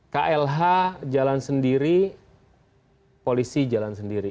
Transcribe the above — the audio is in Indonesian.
klh jalan sendiri polisi jalan sendiri